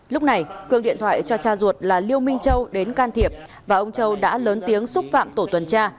lúc này cường điện thoại cho cha ruột là liêu minh châu đến can thiệp và ông châu đã lớn tiếng xúc phạm tổ tuần tra